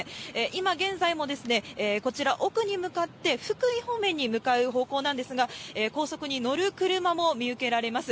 今現在も、こちら、奥に向かって、福井方面に向かう方向なんですが、高速に乗る車も見受けられます。